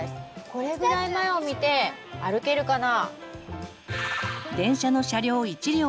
これぐらい前を見て歩けるかな？